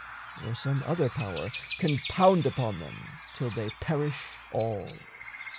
Or some other power Can pound upon them till they perish all.